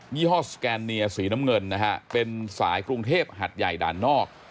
ี่ห้อสแกนเนียสีน้ำเงินนะฮะเป็นสายกรุงเทพหัดใหญ่ด่านนอก